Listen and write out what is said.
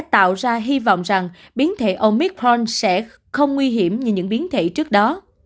tạo ra hy vọng rằng biến thể omithon sẽ không nguy hiểm như những biến thể trước đó